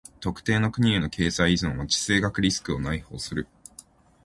特定の国への経済依存は地政学リスクを内包する。